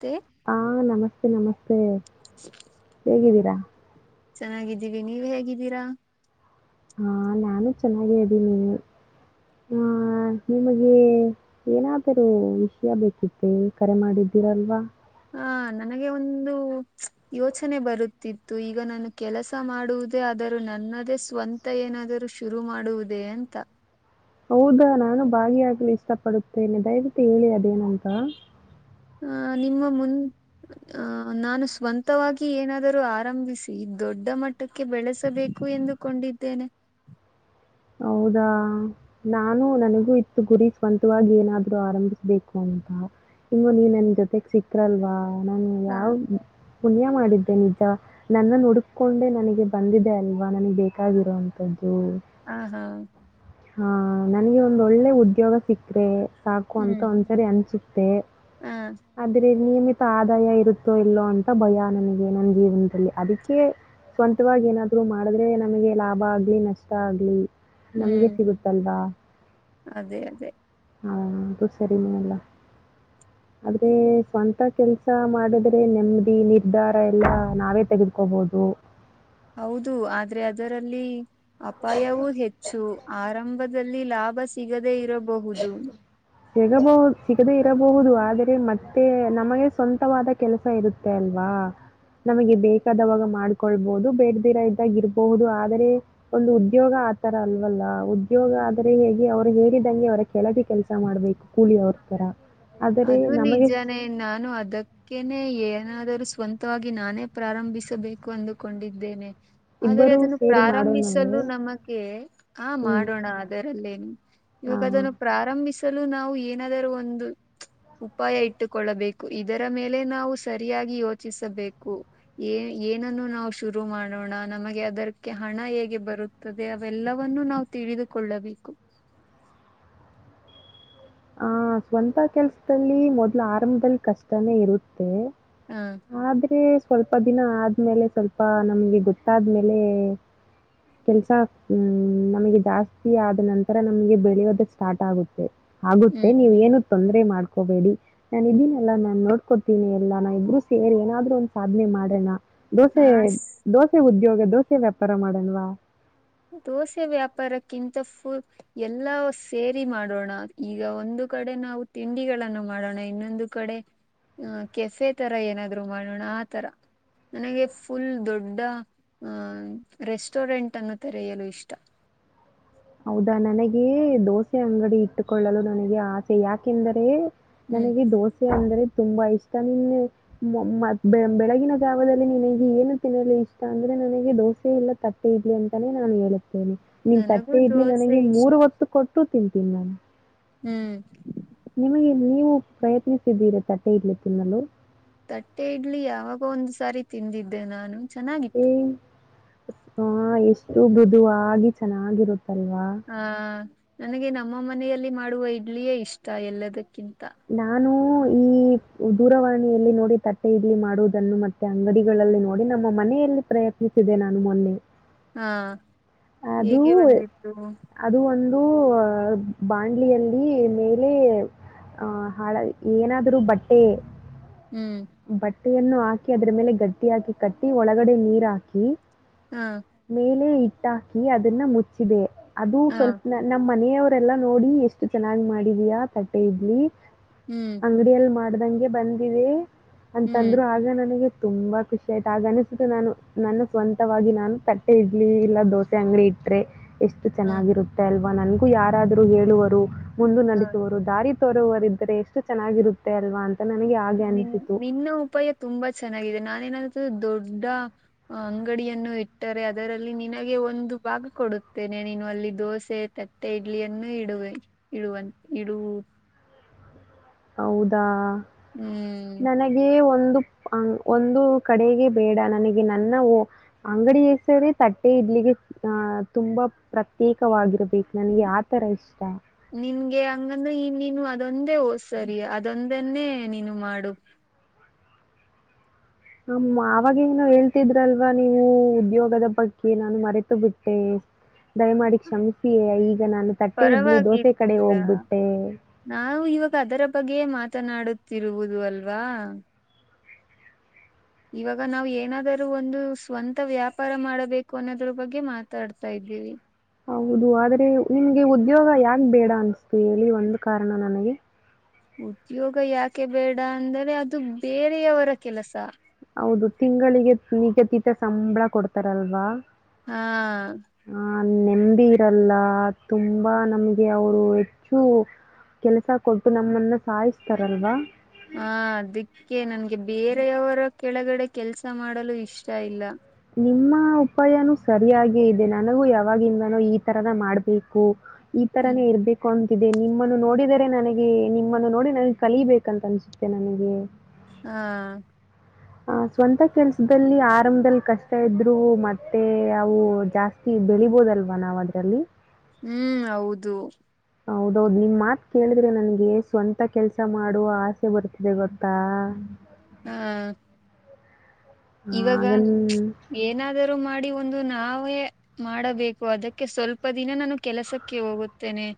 ಮತ್ತೆ ಹಾ ನಮಸ್ತೆ ನಮಸ್ತೆ ಹೇಗಿದ್ದೀರಾ ಚೆನ್ನಾಗಿದ್ದೀವಿ ನೀವ ಹೇಗಿದ್ದೀರಾ ಹಾ ನಾನು ಚೆನ್ನಾಗ ಹೇಳ್ದೀನಿ ಆ ನಿಮಗೆ ಏನಾದರೂ ವಿಷಯ ಬೇಕಿತ್ತ ಕರೆ ಮಾಡಿದ್ದೀರಲ್ವಾ ಹ ನನಗೆ ಒಂದು ಯೋಚನೆ ಬರುತ್ತಿತ್ತು ಈಗ ನಾನು ಕೆಲಸ ಮಾಡುವುದೇ ಆದರೂ ನನ್ನದೇ ಸ್ವಂತ ಏನಾದರೂ ಶುರು ಮಾಡುವುದೇ ಅಂತ ಹೌದಾ ನಾನು ಭಾಗಿಯಾಗ್ಲು ಇಷ್ಟಪಡುತ್ತೇನೆ ದಯವಿಟ್ಟು ಹೇಳಿ ಅದೇನಂತಾ ಆಹ ನಿಮ್ಮ ಮುನ್ ಅಹ ನಾನು ಸ್ವಂತವಾಗಿ ಏನಾದರೂ ಆರಂಭಿಸಿ ದೊಡ್ಡ ಮಟ್ಟಕ್ಕೆ ಬೆಳೆಸಬೇಕು ಎಂದುಕೊಂಡಿದ್ದೇನೆ ಹೌದಾ ನಾನು ನನಗೂ ಇತ್ತು ಗುರಿ ಸ್ವಂತವಾಗಿ ಏನಾದ್ರು ಆರಂಭಿಸ್ಬೇಕು ಅಂತ ಇ ನೀನ್ ನನ್ ಜೊತೆ ಚಿಕ್ [unintelligible] ನ ಹಾ ಯಾವ ಪುಣ್ಯ ಮಾಡಿದ್ದೆ ನಿಜ ನನ್ನ ನುಡುಕಕೊಂಡೇ ನನಗೆ ಬಂದಿದೆ ಅಲ್ವಾ ನನಗೆ ಬೇಕಾಗಿರೋಂಥದ್ದು ಹಾ ಹಾ ಹಾ ನನಗೆ ಒಂದಳ್ಳೆ ಉದ್ಯೋಗ ಸಿಕ್ಕ್ರೆ ಸಾಕು ಅಂತ ಹ್ಮ್ ಒಂದ್ಸರಿ ಅಂಚಿ ಫೆ ಹ ಆದ್ರೆ ನಿಯಿಮಿತ್ ಆದಾಯ ಇರುತ್ತೋ ಇಲ್ಲೋ ಅಂತ ಭಯ ನಮಗೆ ನನ್ನ ಜೀವನದಲ್ಲಿ ಅದಕ್ಕೆ ಸ್ವಂತವಾಗಿ ಏನಾದ್ರು ಮಾಡಿದ್ರೆ ನಮಗೆ ಲಾಭ ಆಗ್ಲಿ ನಷ್ಟ ತಾಗ್ಲಿ ನಮ್ಗೆ ಸಿಗುತ್ತಲ್ವಾ ಅದೆ ಅದೆ ಹಾ ಅದು ಸರಿನೇ ಅಲ್ಲ ಆದ್ರೆ ಸ್ವಂತ ಕೆಲ್ಸ ಮಾಡಿದ್ರೆ ನೆಮ್ಮದಿ ನಿರ್ಧಾರ ಎಲ್ಲಾ ನಾವೇ ತೆಗೆದುಕೋಬೋದು ಹೌದು ಆದ್ರೆ ಅದರಲ್ಲಿ ಅಪಾಯವೂ ಹೆಚ್ಚು ಆರಂಭದ ಲಾಭ ಸಿಗದೇ ಇರೋ ಸಿಗಬಹುದು ಸಿಗದೆೇ ಇರಬಹುದು ಆದ್ ಆದೆ ಮತ್ತೆ ನಮಗೆ ಸ್ವಂತವಾದ ಕೆಲಸ ಇರುತ್ತೆ ಅಲ್ವಾ ನಮಗೆ ಬೇಕಾದವಾಗ ಮಾಡ್ಕೊಳ್ಬಹುದು ಬೇಡ್ದಿರ ಇದ್ದಾಗ ಇರಬಹುದು ಆದರೆ ಒಂದು ಉದ್ಯೋಗ ಆತರ ಅಲ್ವಲ್ಲ ಉದ್ಯೋಗ ಆದರೆ ಹೇಗೆ ಅವ್ರು ಹೇಳಿದಂಗೆ ಅವರ ಕೆಳಗೆ ಕೆಲ್ಸ ಮಾಡ್ಬೇಕು ಕೂಲಿ ಅವ್ರ ತರ ಅದು ನಿಜಾನೇ ನಾನು ಅದಕ್ಕೆನೆ ಏನಾದರೂ ಸ್ವಂತವಾಗಿ ನಾನೇ ಪ್ರಾರಂಭಿಸಬೇಕು ಅಂದುಕೊಂಡಿದ್ದೇನೆ ಆದರೆ ಇಬ್ಬರು ಅದನ್ನು ಸೇರಿ ಮಾಡೋಣವೇ ಪ್ರಾರಂಭಿಸಲು ನಮಗೆ ಆ ಹ್ಮ್. ಮಾಡೋಣ ಅದರಲ್ಲೇನು ಆ, ಇವಾಗ ಅದನ್ನು ಪ್ರಾರಂಭಿಸಲು ನಾವು ಏನಾದರೂ ಒಂದು ಉಪಾಯ ಇಟ್ಟುಕೊಳ್ಳಬೇಕು ಇದರ ಮೇಲೆ ನಾವು ಸರಿಯಾಗಿ ಯೋಚಿಸಬೇಕು ಏ ಏನನ್ನು ನಾವು ಶುರು ಮಾಡೋಣ ನಮಗೆ ಅದಕ್ಕೆ ಹಣ ಹೇಗೆ ಬರುತ್ತದೆ ಅವೆಲ್ಲವವನ್ನು ನಾವು ತಿಳಿದುಕೊಳ್ಳಬೇಕು ಆ ಸ್ವಂತ ಕೆಲ್ಸದಲ್ಲಿ ಮೊದ್ಲು ಆರಂಭದಲ್ಲಿ ಕಷ್ಟನೇ ಇರುತ್ತೆ ಹ ಆದ್ರೆ ಸ್ವಲ್ಪ ದಿನ ಆದ್ಮೇಲೆ ಸ್ವಲ್ಪ ನಮ್ಗೆ ಗೊತ್ತಾದ್ಮೇಲೆ ಕೆಲ್ಸ ಹ್ಮ್ ನಮಗೆ ಜಾಸ್ತಿ ಆದ ನಂತರ ನಮಗೆ ಬೆಳೆಯದು ಸ್ಟಾರ್ಟ್ ಆಗುತ್ತೆ ಆಗುತ್ತೆ ಹ್ಮ್ ನೀವ ಏನು ತೊಂದ್ರರೆ ಮಾಡ ಮಾಡ್ಕೋಬೇಡಿ ನಾನ್ ಇದನ್ನೆಲ್ಲಾ ನಾನ್ ನೋಡ್ಕೊತೀನಿ ಎಲ್ಲ ನಾ ಇಬ್ರು ಸೇರ್ ಏನಾದ್ರು ಒಂದ್ ಸಾಧನೆ ಮಾಡಣ ದೋಸೆ ಹಾ ದೋಸೆ ಉದ್ಯೋಗ ದೊಸೆ ವ್ಯಾಪಾರ ಮಾಡಣವಾ ದೋಸೆ ವ್ಯಾಪಾರ ರ ಕಿಂತ ಫು ಎಲ್ಲಾ ಸೇರಿ ಮಾಡೋಣ ಈಗ ಒಂದು ಕಡೆ ನಾವು ತಿಂಡಿಗಳನ್ನು ಮಾಡೋಣ ಇನ್ನೊಂದು ಕಡೆ ಕೆಫೆ ತರ ಏನಾದ್ರು ಮಾಡೋಣ ಆ ತರ ನನಗೆ ಫುಲ್ ದೊಡ್ಡ ಅಹ ರೆಸ್ಟೋರೆಂಟ್ ಅನ್ನು ತರ ಏನು ಇಷ್ಟ ಹೌದಾ ನನಗೆ ದೋಸೆ ಅಂಗಡಿ ಇಟ್ಟುಕೊಳ್ಳಲು ನನಗೆ ಆಸೆ ಯಾಕೆಂದರೆ ಹ್ಮ್ ನನಗೆ ದೋಸೆ ಅಂದ್ರೆ ತುಂಬಾ ಇಷ್ಟ ನ್ ಮ ಬೆಳಗಿನ ಜಾವದಲ್ಲಿ ನಿನಗೆ ಏನು ತಿನ್ನಲು ಇಷ್ಟ ಅಂದ್ರೆ ನನಗೆ ದೋಸೆ ಇಲ್ಲ ತಟ್ಟೆ ಇಡ್ಲಿ ಅಂತಾನೇ ನಾನು ಹೇಳ ನಿಮ್ ತ ನನಗೂ ದೋಸೆ ನನಗೆ ಇಷ್ಟ ಮೂರು ಹೊತ್ತು ಕೊಟ್ಟು ತನ್ ತೀ ಮಾನ ಹ್ಮ್ ನಿಮಗೆ ನೀವು ಪ್ರಯತ್ನಿಸಿದ್ದೀರ ತಟ್ಟೆ ಇರ್ಲಿ ತಿನ್ನಲು ತಟ್ಟೆ ಇಡ್ಲಿ ಯಾವಾಗ ಒಂದ್ ಸಾರಿ ತಿಂದಿದ್ದೆ ನಾನು ಚೆನ್ನಾಗಿತ್ತು ಹ ಎಷ್ಟು ಮೃದುವಾಗಿ ಚೆನ್ನಾಗಿರುತ್ತೆ ಹಾ ನನಗೆ ನಮ್ಮ ಮನೆಯಲ್ಲಿ ಮಾಡುವ ಇಡ್ಲಿಯೇ ಇಷ್ಟ ಎಲ್ಲದಕ್ಕಿಂತ ನಾ ನಾನು ಈ ದೂರವಾಣಿಯಲ್ಲಿ ನೋಡಿ ತಟ್ಟೆ ಇಡ್ಲಿ ಮಾಡುವುದನ್ನು ಮತ್ತೆ ಅಂಗಡಿಗಳಲ್ಲಿ ನೋಡಿ ನಮ್ಮ ಮನೆಯಲ್ಲಿ ಪ್ರಯತ್ನಿಸಿದೆ ನಾನು ಮೊನ್ನೆ ಹಾ ಅದು ಹೇಗೆ ಬಂದಿತ್ತು ಅದು ಒಂದು ಬಾಂಡ್ಲಿಯಲ್ಲಿ ಮೇಲೆ ಆ ಹಾಳ ಏನಾದ್ರೂ ಬಟ್ಟೆ ಹ್ಮ್ ಬಟ್ಟೆಯನ್ನು ಹಾಕಿ ಅದ್ರ ಮೇಲೆ ಗಟ್ಟಿ ಹಾಕಿ ಕಟ್ಟಿ ಒಳಗಡೆ ನೀರ್ ಹಾಕಿ ಹಾ ಮೇಲೆ ಇಟ್ಟ ಹ ಕಿ ಅದನ್ನ ಮುಚ್ಚಿದೆ ಅದು ಹಾ ಸ್ವಲ್ಪ ನಮ್ಮ್ ಮನೆಯವರು ಅದೆಲ್ಲಾ ನೋಡಿ ಎಷ್ಟು ಚೆನ್ನಾಗಿ ಮಾಡಿದಯಾ ತಟ್ಟೆ ಇಡ್ಲಿ ಹ್ಮ್ ಅಂಗಡಿಯಲ್ಲಿ ಮಾಡ್ದಂಗೆ ಬಂದಿದೆ ಹ್ಮ್ ಅಂತಂದ್ರು ಆಗ ನನಗೆ ತುಂಬಾ ಖುಷಿ ಆಯ್ತು ಆಗನಿಸುತ್ತೆ ನಾನು ನನ್ನ ಸ್ವಂತವಾಗಿ ನಾನು ತಟ್ಟೆ ಇಡ್ಲಿ ಇಲ್ಲ ದೋಸೆ ಅಂಗಡಿ ಇಟ್ಟ್ರೆ ಎಷ್ಟು ಹ ಚೆನ್ನಾಗಿರುತ್ತೆ ಅಲ್ವಾ ನನ್ಗೂ ಯಾರಾದ್ರು ಹೇಳುವರು ಮುಂದ ಹ ನಡೆಸುವರು ದಾರಿ ತೊರುವ ಇದ್ದರೆ ಎಷ್ಟು ಚೆನ್ನಾಗಿರುತ್ತೆ ಅಲ್ವಾ ಅಂತ ನನಗೆ ಹಾಗೆ ನಿನ್ ಅನಿಸಿತು ನಿನ್ನ ಉಪಾಯ ತುಂಬಾ ಚೆನ್ನಾಗಿದೆ ನಾ ಏನಾದ್ರೂ ದೊಡ್ಡ ಅಂಗಡಿಯನ್ನು ಇಟ್ಟರೆ ಅದರಲ್ಲಿ ನಿನಗೆ ಒಂದು ಭಾಗ ಕೊಡುತ್ತೇನೆ ನೀನು ಅಲ್ಲಿ ದೋಸೆ ತತ್ತೆ ಇಡ್ಲಿಯನ್ನು ಇಡುವೆ ಇಡುವ ಇಡುವ ಹೌದಾ ಹ್ಮ್ ನನಗೆ ಒಂದು ಅ ಒಂದು ಕಡೆಗೆ ಬೇಡ ನನಗೆ ನನ್ನ ಅಂಗಡಿ ಹೆಸರೇ ತಟ್ಟೆ ಇಡ್ಲಗೆ ಅಹ ತುಂಬಾ ಪ್ರತ್ಯೇಕವಾಗಿರ್ಬೇಕು ನನ್ಗೆ ಹ್ಮ್. ಆತರ ಇಷ್ಟ ನಿನ್ಗೆ ಹಂಗಂದ್ರೆ ಈ ನೀನು ಅದೊಂದೇ ಹೋ ಸರಿ ಅದೊಂದನ್ನೇ ನೀನು ಮಾಡು ಹ ಅವಾಗಿಂದ ನ ಹೇಳ್ತಿದ್ರಲ್ವಾ ನೀವು ಉದ್ಯೋಗದ ಬಗ್ಗೆ ನಾನು ಮರೆತು ಬಿಟ್ಟೆ ದಯಮಾಡಿ ಕ್ಷಮಿಸಿ ಈಗ ನಾನು ತಟ್ಟೆ ಇಡ್ಲಿ ದೋಸೆ ಕಡೆ ಪರವಾಗಿರ್ಲಿಲ್ಲ ಹೋಗ್ಬಿಟ್ಟೆ. ನಾವು ಇವಾಗ ಅದರ ಬಗ್ಗೆ ಮಾತ ಮಾತನಾಡುತ್ತಿರುವುದು ಅಲ್ವಾ ಇವಾಗ ನಾವವು ಏನಾದರೂ ಒಂದು ಸ್ವಂತ ವ್ಯಾಪಾರ ಮಾಡಬೇಕು ಅನ್ನೋದ್ರ ಬಗ್ಗೆ ಮಾತಾಡ್ತಾ ಇದ್ದೀವಿ ಹೌದು ಆದ್ರೆ ನಿಮ್ಗೆ ಉದ್ಯೋಗ ಯಾಕೆ ಬೇಡ ಅನ್ಸ್ತುವಿ ಹೇಳ ಒಂದು ಕಾರಣ ನನಗೆ. ಉದ್ಯೋಗ ಯಾಕೆ ಬೇಡ ಅಂದರೆ ಅದು ಬೇರೆಯವರ ಕೆಲಸ. ಹೌದು ತಿಂಗಳಿಗೆ ನಿಗದಿತ ಸಂಬಳ ಕೊಡ್ತಾರಲ್ವಾ. ಹಾ. ನೆಂಬಿ ಇರಲ್ಲ ತುಂಬಾ ನಮಗೆ ಅವರು ಹೆಚ್ಚು ಕೆಲಸ ಕೊಟ್ಟು ನಮ್ಮನ್ನ ಸಾಯಿಸ್ತಾರಲ್ವಾ. ಹಾ ದಿಕ್ಕೆ ನನ್ಗೆ. ಹಾಗ ಬೇರೆಯವರ ಕೆಳಗಡೆ ಕೆಲ್ಸ ಮಾಡಲು ಇಷ್ಟ ಇಲ್ಲ. ನಿಮ್ಮ ಉಪಾಯನೂ ಸರಿಯಾಗಿ ಇದೆ ನನಗೂ ಯಾವಾಗಿಂದನೋ ಈ ತರದ ಮಾಡ್ಬೇಕು. ಈ ಹ್ಮ್ ತರಾನೇ ಇರ್ಬೇಕು ಅಂತ. ಇದೆ ನಿಮ್ಮನ್ನು ನೋಡಿದರೆ ನನಗೆ ನಿಮ್ಮನ್ನು ನೋಡಿ ನನಗೆ ಕಲಿಬೇಕಂತ ಅನ್ಸುತ್ತೆ ನನಗೆ. ಹಾ. ಆ ಸ್ವಂತ ಕೆಲ್ಸದಲ್ಲಿ ಆರಂಭದಲ್ಲಿ ಕಷ್ಟ ಇದ್ರು ಮತ್ತೆ ಅವು ಜಾಸ್ತಿ ಬೆಳಿಬೋದಲ್ವಾ ನಾವ್ ಅದ್ರಲ್ಲಿ. ಹ್ಮ್ ಹೌದು. ಹೌದೌದು ನಿಮ್ ಮಾತ್ ಕೇಳಿದ್ರೆ ನನ್ಗೆ ಸ್ವಂತ ಕೆಲ್ಸ ಮಾಡು ಆಸೆ ಬರ್ತಿದೆ ಗೊತ್ತಾ. ಹ ಇವಾಗ ಹಾಗನ್ ಏನಾದರೂ ಮಾಡಿ ಒ. ಂದು ನಾವೇ ಮಾಡಬೇಕು ಅದಕ್ಕೆ ಸ್ವಲ್ಪ ದಿನ ನಾನು ಕೆಲಸಕ್ಕೆ ಹೋಗುತ್ತೇನೆ.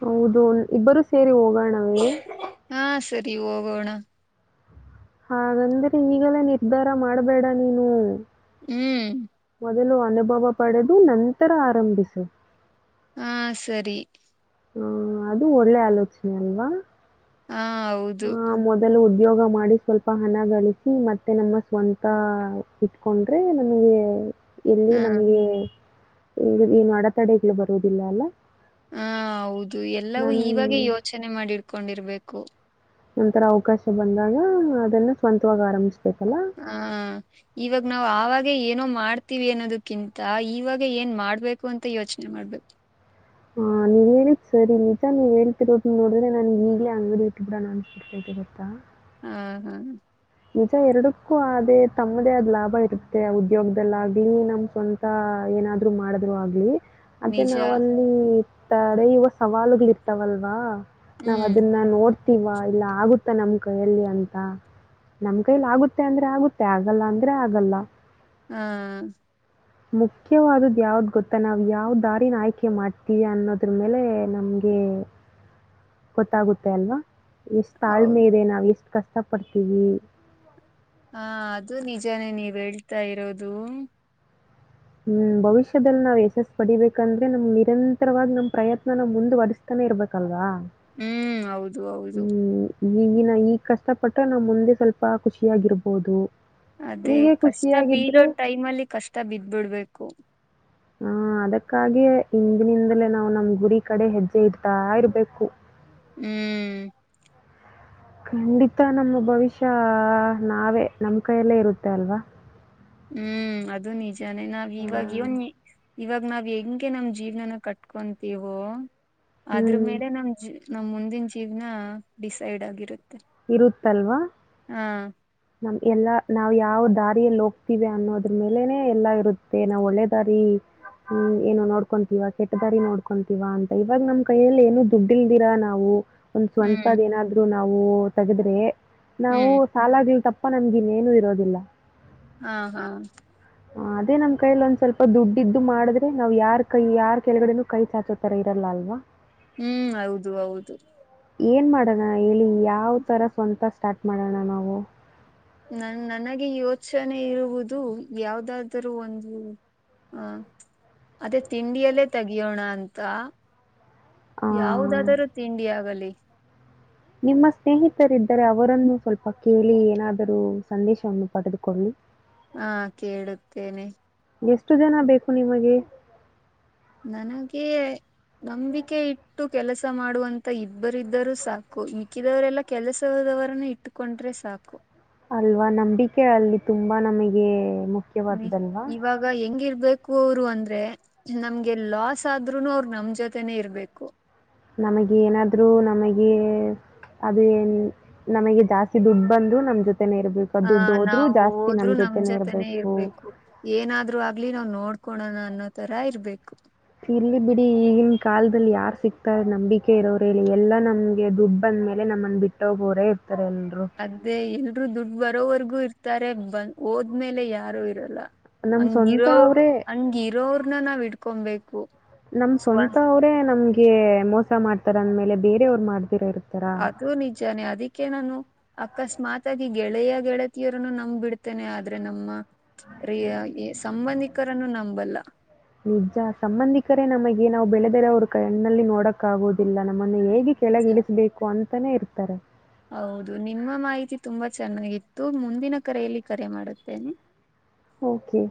ಹೌದು ಇಬ್ಬರುೂ ಸೇರಿ ಹೋಗಣ. ಮಾಡ. ಹಾ ಸರಿ ಹೋಗೋಣ. ಹಾಗಂದ್ರೆ ಈಗಲ್ಲ. ಉ್ದರ ಮಾಡಬೇಡ ನೀನು. ಹ್ಮ್. ಮದಲು ಅನುಭವ ಪಡೆದು ನಂತರ. ಆರಂಭಿಸು ಹಾ ಸರಿ. ಹ್ಮ ಅದು ಒಳ್ಳೆ ಆಲೋಚನೆ ಅಲ್ವಾ ಹಾ ಹೌದು. ಯ್ಯೋಗ ಮಾಡಿ ಸ್ವಲ್ಪ ಹಣ ಗಳಿಸಿ ಮತ್ತುೆ ನಮ್ಮ ಸ್ವಂತ ಇಟ್ಕೊಂಡ್ರೆ ನಮಗೆ. ಎಲ್ಲಿ ಹಾ ನಮಗೆ. ಈ ಏನು ಅಡೆತಡೆಗಳು ಬರುವುದಿಲ್ಲ ಅಲ್ಲ. ಹ ಹೌದು ಎಲ್ಲವೂ ನನ್ ಇವಾಗೇ ಯೋಚನೆ ಮಾಡಿಡ್ಕೊಂಡಿರ್ಬೇಕು. ಕು. ನಂತರ ಅವಕಾಶ ಬಂದಾಗ ಅದನ್ನ ಸ್ವಂತವಾಗಿ ಆರಂಿಸತಾರೆ. ಹ ಇವಾಗ ನಾವ್ ಆವಾಗ ಏನೋ ಮಾಡ್ತೀವಿ ಅನ್ನೋದಕ್ಕಿಂತ ಇವಾಗ ಏನ್ ಮಾಡ್ಬೇಕು ಅಂತ ಯೋಚನೆ ಮಾಡ್ಬೇಕು ಹಾ ನೀವ್ ಹೇಳಿದ ಸರಿ ನಿಜಾ ನೀವ ಹೇಳ್ತಿರೋದ ನೋಡಿದ್ರೆ ನನ್ ಈಗ್ಲೇ ಅಂಗಡಿ ಇಟ್ಟ ಬಿಿಡಾ ನ ಅನ್ಬಿಡ್ತಾ ಇದರತ್ತಾ ಹಾ ಹಾ ನಿಜ ಎರಡಕ್ಕೂ ಆದ ಅ ತಮ್ಮದೇ ಅ ಲಾಭ ಇರುತ್ತೆ ಉದ್ಯೋಗದಲ್ಲಾಗ್ಲಿ ನಮ್ ಸ್ವಂತ ಏನಾದ್ರು ಮಾಡಿದ್ರು ಆಗ್ಲಿ ಅದೇ ನಿಜ ನಾವಲ್ಲಿ ತ್ತಾರೆ ಇವ ಸವಾಲುಗಳ ಇರ್ತಾವಲ್ವಾ ನಾವ್ ಹ್ಮ್ ಅದನ್ನ ನೋಡ್ತಿವಾ ಇಲ್ಲ ಆಗ ಮತ್ತ ನಮ್ಮ ಕೈಯಲ್ಲಿ ಅಂತ ನಮ್ ಕೈಲ ಆಗುತ್ತೆ ಅಂದ್ರೆ ಆಗುತ್ತೆ ಆಗಲ್ಲ ಅಂದ್ರೆ ಆಗಲ್ಲ. ಹಾ ಮುಖ್ಯವಾದ್ದು ಯಾವ್ದ್ ಗೊತ್ತಾ ನಾವ್ ಯಾವ್ ದಾರಿನ ಆಯ್ಕೆ ಮಾಡ್ತೀವಿ ಅನ್ನೋದ್ರ ಮೇಲೆ ನಮ್ಗೆ ಗೊತ್ತಾಗುತ್ತೆ ಅಲ್ವಾ. ಎಷ್ಟ್ ಹೌ ತಾಳ್ಮೆ ಇದೆ ನಾವ್ ಎಷ್ಟು ಕಷ್ಟ ಇಷ್ಟಪಡ್ತೀವಿ. ಹಾ ಅದು ನಿಜಾನೇ ನೀವ್ ಹೇಳ್ತಾ ಇರೋದು? ಹ್ಮ್ ಭವಿಷ್ಯದಲ್ಲಿ ನಾವ್ ಯಶಸ್ ಪಡಿಬೇಕಂದ್ರೆ ನಮ್ ನಿರಂತರವಾಗಿ ನಮ್ ಪ್ರಯತ್ನ ನಾವ ಮುಂದುವರಿಸಸ್ತಾನೆ ಇರ್ಬೇಕಲ್ವಾ. ಹ್ಮ್ ಹೌದು ಹೌದು. ಹ್ಮ್. ಈಗಿನ ಈಗ ಕಷ್ಟಪಟ್ಟ್ರ ನಾನ್ ಮುಂದೆ ಸ್ವಲ್ಪ ಖುಷಿಯಾಗಿರ್ಬೋದು. ಅದೇ ಹೀಗೆ ಕಷ್ಟ ಬೀಲೋ ಖುಷಿಯಾಗಿದ್ರೆ ಟೈಮ್ ಅಲ್ಲಿ ಕಷ್ಟ ಬಿದ್ಬಿಡ್ಬೇಕು. ಹ ಹಾ ಅದಕ್ಕಾಗಿಯ ಹಿಂದಿನಿಂದಲೇ ನಾವು ನಮ್ ಗುರಿ ಕಡೆ ಹೆಜ್ಜೆ ಇರ್ತಾ ಇರ್ಬೇಕು. ಹ್ಮ್ ಖಂಡಿತ ನಮ್ಮ ಭವಿಷ್ಯ ನಾವೇ ನಮ್ ಕೈಯಲ್ಲೇ ಇರುತ್ತೆ ಅಲ್ವಾ. ಹ್ಮ್ ಅದು ನಿಜಾನೇ ನಾವ್ ಆ, ಇವಾಗ ನ ಇವಾಗ ನಾವ್ ಹೆಂಗೆ ನಮ್ ಜೀವ್ನನ ಕಟ್ಕೊಂತೀವೋ. ಅದ್ರ ಹ್ಮ್. ಮೇಲೆ ನಮ್ ಜ ನಮ್ಮ ಮುಂದಿನ ಜೀವನ ಡಿಸೈಡ್ ಆಗಿರುತ್ತೆ. ಇರುತ್ತಲ್ವಾ ಹಾ ನಮ್ ಎಲ್ಲಾ ನಾವ್ ಯಾವ ದಾ ದಾರಿಯಲ್ಲಿ ಹೋಗ್ತಿವಿ ಅನ್ನೋದ್ರ ಮೇಲೆನೆ ಎಲ್ಲಾ ಇರುತ್ತೆ ನಾವ್ ಒಳ್ಳೆದಾರಿ ಏನು ನೋಡ್ಕೊಂತೀವ ಕೆಟ್ಟ ದಾರಿ ನೋಡ್ಕೊಂತೀವ ಅಂತ ಇವಾಗ ನಮ್ ಕೈಯಲ್ಲಿ ಏನು ದುಡ್ಡಿಲ್ದಿರಾ ನಾವು. ಒಂದ್ ಹ್ಮ್ ಸ್ವಂತದ ಏನಾದ್ರು ತವು ತಗದ್ರೆ ನಾವು ಹ್ಮ್ ಸಾಲಾಗಿಲ್ ತಪ್ಪ. ಅಪ್ಪ ನಮ್ಗ ಇನ್ನೇನು ಇರೋದಿಲ್ಲ. ಹಾ ಹಾ ಹ ಅದೇ ನಮ್ ಕೈಲಿ ಒಂದ್ ಸ್ವಲ್ಪ ದುಡ್ದು ಮಾಡಿದ್ರೆ ನಾವ್ ಯಾರ್ ಕೈ ಯಾರ್ ಕೆಳಗಡೆನೂ ಕೈ ಚಾಚೋತರ ಇರಲ್ಲ ಅಲ್ವಾ. ಹ್ಮ್ ಹೌದು ಹೌದು. ಏನ್ ಮಾಡಣ ಹೇಳಿ ಯಾವ ತರ ಸ್ವಂತ ಸ್ಟಾರ್ಟ್ ಮಾಡೋಣ ನಾವು. ನನ್ ನನಗೆ ಯೋಚನೆ ಇರುವುದು ಯಾವ್ದಾದರೂ ಒಂದು ಅಹ ಅದೇ ತಿಂಡಿಯಲ್ಲೇ ತೆಗಿಯೋಣ ಅಂತ. ಆ, ಯಾವುದಾದರೂ ತಿಂಡಿ ಆಗಲಿ ನಿಮ್ಮ ಸ್ನೇಹಿತ ರ ಇದರೆ ಅವರನ್ನು ಸ್ವಲ್ಪ ಕೇಳಿ ಏನಾದರೂ ಸಂದೇಶವನ್ನು ಪಡೆದುಕೊಳ್ಳು ಹಾ ಕೇಳುತ್ತೇನೆ ಎಷ್ಟು ಜನ ಬೇಕು ನಿಮಗೆ ನನಗೆ ನಂಬಿಕೆ ಇ ಇಟ್ಟು ಕೆಲಸ ಮಾಡುವಂತ ಇಬ್ಬರಿದ್ದರುೂ ಸಾಕು ಮಿಕ್ಕಿದವರೆಲ್ಲ ಕೆಲಸದವರನ್ನ ಇಟ್ಟುಕೊಂಡ್ರೆ ಸಾಕು ಅಲ್ವಾ ನಂಬಿಕೆ ಅಲ್ಲಿ ತುಂಬಾ ನಮಗೆ ಹ್ಮ ಮುಖ್ಯವಾದುದಲ್ವಾ? ಇವಾಗ ಹೆಂಗಿರ್ಬೇಕು ಅಂದ್ರೆ ನಮ್ಗೆ ಲಾಸ್ ಆದ್ರು ಅವರು ನಮ್ ಜೊತೆನೆೇ ಇರ್ಬೇಕು ನಮಗೆ ಏನಾದ್ರು ನಮಗೆ ಅದುನ್ ನಮಗೆ ಜಾಸ್ತಿ ದುಡ್ಡು ಬಂದ್ರು ನಮ ಜೊತೆ ಹ ನಾವವು ಹೋದ್ರು ನಮ್ ಜೊತೆನೇ ಜೊತೆನೆೇ ಇರಬೇಕು. ಇರ್ಬೇಕು ಏನಾದ್ರು ಆಗ್ಲಿ ನಾವ್ ನೋಡ್ತ ಕೊಡೋಣ ಅನ್ನೋ ತರ ಇರ್ಬೇಕು ಇರ್ಲಿ ಬಿಡಿ ಈಗಿನ ಕಾಲದಲ್ಲಿ ಯಾರ್ ಸಿಕ್ತಾರೆ ನಂಬಿಕೆ ಇರೋರ ಇಲ್ಲಿ ಎಲ್ಲಾ ನಮ್ಗೆ ದುಡ್ ಅಂದ ಮೇಲೆ ನಮ್ಮನ್ ಬಿಟ್ಟೋಗೋರೆ ಹತ್ತರ ಎಲ್ರು ರು ದುಡ್ಡು ಬರೋವರ್ಗೂ ಇರ್ತಾರೆ ಬಂದ ಹೋದ್ಮೇಲೆ ಯಾರು ಇರಲ್ಲ ನಮ್ಮ ಸ್ವಂತ ಹಂಗಿರೋ ಅವರೇ ಹಂಗಿರೋರ್ನ್ನ ನಾವ್ ಇಡ್ ಕೊಬೇಕು ನಮ ಸ್ವಂತ ಅವ್ರೇ ನಮ್ಗೆ ಮೋಸ ಮಾಡ್ತಾರೆ ಅಂದ ಮೇಲೆ ಬೇರೆವ್ರು ಮಾಡ್ರತ್ತೆ ಅದು ನಿಜಾನೇ ಅದಿಕ್ಕೆ ಅಕೆ ನಾನು ಅಕಸ್ಮಾತ್ಗಿ ಗೆಳೆಯ ಗೆಳತಿಯರನ್ನು ನಂಬ್ ಬಿಡ್ತೇನೆ ಆದ್ರೆ ನಮ್ಮ ರ ಸಂಬಂಧಿಕರನ್ನು ನಂಬಲ್ಲ ನಿಜ ಸಂಬಂಧಿಕರೇ ನಮಗೆ ನಾವು ಬೆಳೆದರೆ ಅವ್ರ ಕಣ್ಣಲ್ಲಿ ನೋಡಕ್ ಆಗೋದು ಇಲ್ಲ ನಮ್ಮನ್ನು ಹೇಗೆ ನಿಜ. ಕೆಳಗೆ ಇಳಿಸಬೇಕು ಅಂತ. ತಾನೆ ಇರ್ತಾರೆ. ಹೌದು ನಿಮ್ಮ ಮಾಹಿತಿ ತುಂಬಾ ಚೆನ್ನಾಗಿತ್ತು ಮುಂದಿನ ಕರೆಯಲ್ಲಿ ಕರೆ ಮಾಡುತ್ತೇನೆ. ಓಕೆ.